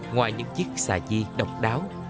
ngoài những chiếc xà di độc đáo